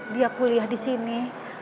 dia kuliah disini